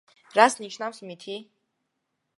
რას ნიშნავს მითი?